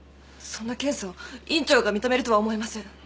そんな検査を院長が認めるとは思えません。